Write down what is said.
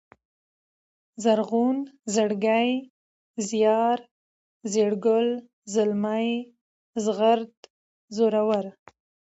زرغون ، زړگی ، زيار ، زېړگل ، زلمی ، زغرد ، زړور